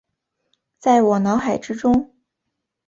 在我脑海之中